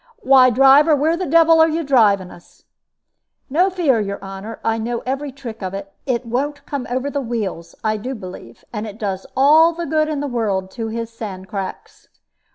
Why, driver, where the devil are you driving us?" "No fear, your honor. I know every trick of it. It won't come over the wheels, I do believe, and it does all the good in the world to his sand cracks.